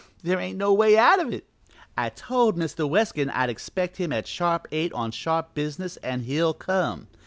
There ain't no way out of it; I told Mr. Weskin I'd expect him at sharp eight on sharp business an' he'll come.